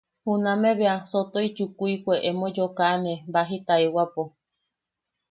Junameʼe bea sotoʼi chukuikue emo yokaʼane baji taiwapo.